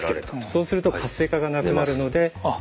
そうすると活性化がなくなるので為末さんも。